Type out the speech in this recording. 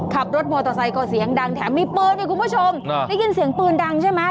ขับรถโมโตไซค์ก็เสียงดังแถมทางคุณผู้ชมให้กินเสียงปืนดังใช่มั้ย